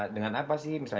dengan apa sih